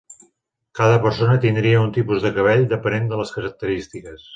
Cada persona tindria un tipus de cabell depenent de les característiques.